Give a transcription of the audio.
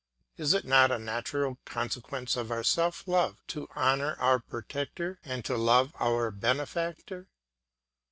Is it not a natural consequence of our self love to honour our protector and to love our benefactor?